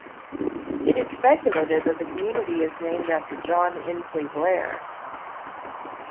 It is speculated that the community is named after John Insley Blair.